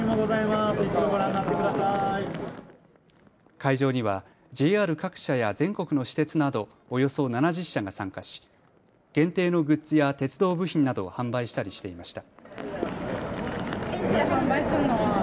会場にはＪＲ各社や全国の私鉄などおよそ７０社が参加し限定のグッズや鉄道部品などを販売したりしていました。